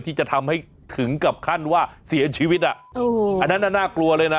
ที่จะทำให้ถึงกับขั้นว่าเสียชีวิตอ่ะโอ้โหอันนั้นน่ะน่ากลัวเลยนะ